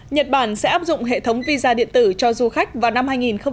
nhật bản sẽ áp dụng hệ thống visa điện tử cho du khách vào năm hai nghìn hai mươi